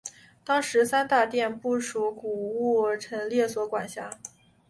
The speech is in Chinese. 当时三大殿不属古物陈列所管辖。